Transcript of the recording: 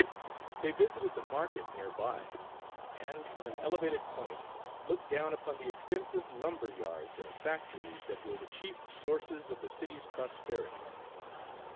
They visited the market near by, and from an elevated point, looked down upon the extensive lumber yards and factories that were the chief sources of the city's prosperity.